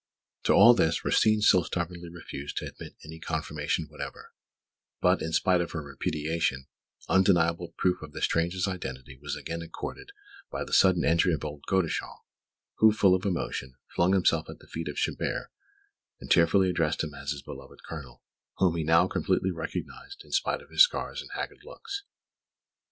To all this, Rosine still stubbornly refused to admit any confirmation whatever; but, in spite of her repudiation, undeniable proof of the stranger's identity was again accorded by the sudden entry of old Godeschal, who, full of emotion, flung himself at the feet of Chabert and tearfully addressed him as his beloved Colonel, whom he now completely recognised, in spite of his scars and haggard looks.